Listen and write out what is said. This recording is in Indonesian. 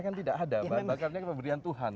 kan tidak ada bahan bakarnya pemberian tuhan